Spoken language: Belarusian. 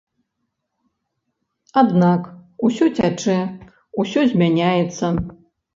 Аднак усё цячэ, усё змяняецца.